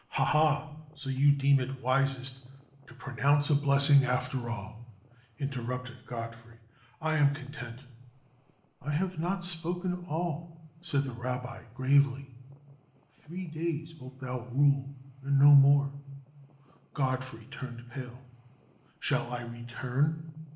"Ha, ha! So you deem it wisest to pronounce a blessing after all," interrupted Godfrey. "I am content." "I have not spoken all," said the rabbi, gravely. "Three days wilt thou rule and no more." Godfrey turned pale. "Shall I return?"